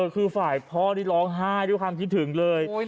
คือฝ่ายพ่อนี่ร้องไห้ด้วยความคิดถึงเลย